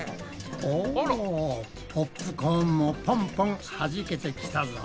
おポップコーンもポンポンはじけてきたぞ。